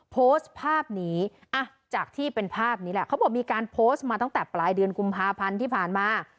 โพสต์ภาพนี้อ่ะจากที่เป็นภาพนี้แหละเขาบอกมีการโพสต์มาตั้งแต่ปลายเดือนกุมภาพันธ์ที่ผ่านมา